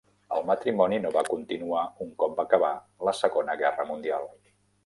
El matrimoni no va continuar un cop va acabar la Segona Guerra Mundial.